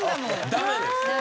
ダメです。